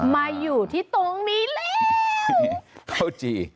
มาอยู่ที่ตรงนี้แล้ว